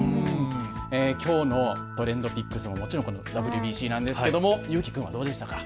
きょうのＴｒｅｎｄＰｉｃｋｓももちろんＷＢＣなんですけども裕貴君はどうでしたか。